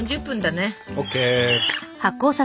ＯＫ。